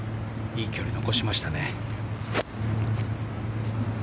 いい距離残しましたね。